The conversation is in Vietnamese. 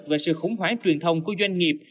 về sự khủng hoảng truyền thông của doanh nghiệp